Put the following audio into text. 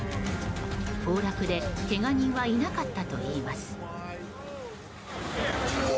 崩落でけが人はいなかったといいます。